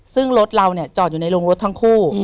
ซึ่งรถเราเนี่ยจอดอยู่ในโรงรถทั้งคู่